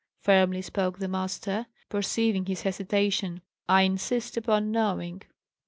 firmly spoke the master, perceiving his hesitation. "I insist upon knowing."